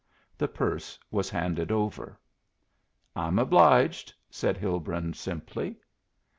The purse was handed over. "I'm obliged," said Hilbrun, simply.